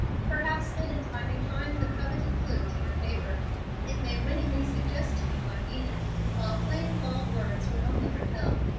Perhaps in it I may find the coveted clew to your favor. It may winningly suggest to you my meaning, while plain, bald words would only repel.